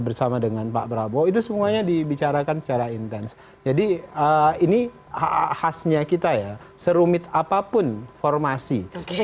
bersama dengan pak prabowo itu semuanya dibicarakan secara intens jadi ini khasnya kita ya serumit apapun formasi